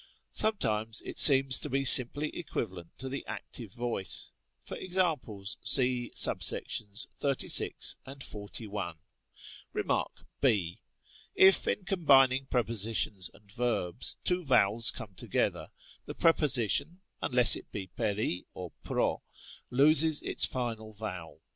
Sometimes it seems to be simply equivalent to the active voice. For examples, see $$ 36 and 41. fem, ὃ. 1, in combining prepositions and verbs, two vowels come together, the preposition (unless it be περί or πρό) loses its final vowel.